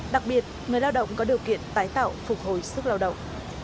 đặc biệt người lao động có điều kiện tái tạo phục hồi sức lao động